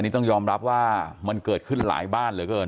นี่ต้องยอมรับว่ามันเกิดขึ้นหลายบ้านเหลือเกิน